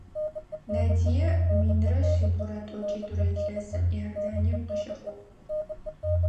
Надия минрэ шъибгъурэ тӏокӏитӏурэ илъэсым Иорданием къыщыхъугъ.